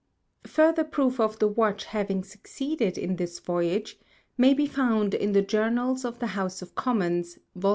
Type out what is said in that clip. Further Proof of the Watch having succeeded in this Voyage may be found in the Journals of the House of Commons, Vol.